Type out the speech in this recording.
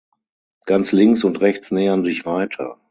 Ganz links und rechts nähern sich Reiter.